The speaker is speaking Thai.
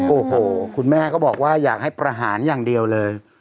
โอ้โหคุณแม่ก็บอกว่าอยากให้ประหารอย่างเดียวเลย